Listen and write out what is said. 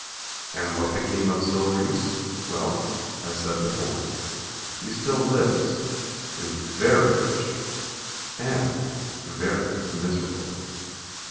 And what became of Sil Reese? Well, as said before, he still lives, is very rich and very miserable.